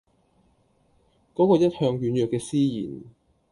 嗰個一向軟弱嘅思賢